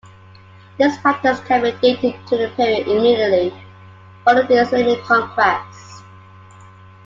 This practice can be dated to the period immediately following the Islamic conquest.